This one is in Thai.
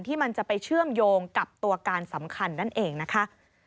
มันจะไปเชื่อมโยงกับตัวการสำคัญนั่นเองนะคะ